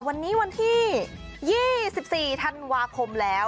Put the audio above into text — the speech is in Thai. วันนี้วันที่๒๔ธันวาคมแล้ว